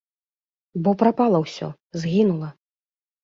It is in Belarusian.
Бо прапала ўсё, згінула.